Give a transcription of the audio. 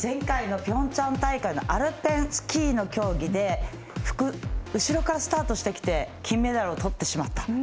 前回のピョンチャン大会のアルペンスキーの競技で後ろからスタートしてきて金メダルをとってしまった。